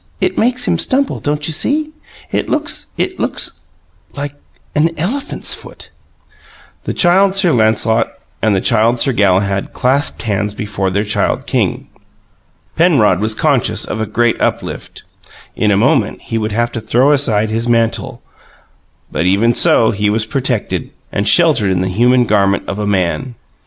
It makes him stumble. Don't you see? It looks it looks like an elephant's foot!" The Child Sir Lancelot and the Child Sir Galahad clasped hands before their Child King. Penrod was conscious of a great uplift; in a moment he would have to throw aside his mantle, but even so he was protected and sheltered in the human garment of a man.